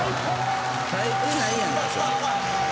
耐えてないやんかそれ。